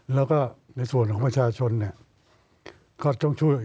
แล้วก็ในส่วนของประชาชนก็ต้องช่วย